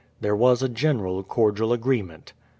There was a general cordial agreement.